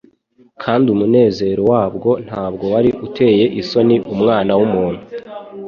kandi umunezero wabwo ntabwo wari uteye isoni Umwana w’umuntu